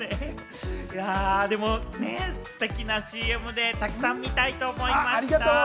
でもね、ステキなＣＭでたくさん見たいと思います。